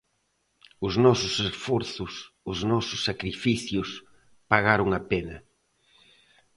Os nosos esforzos, os nosos sacrificios, pagaron a pena.